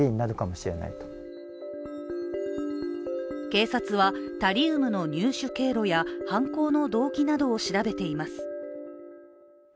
警察はタリウムの入手経路や犯行の動機などを調べています。